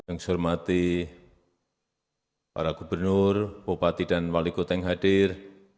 yang saya hormati para gubernur bupati dan wali kota yang hadir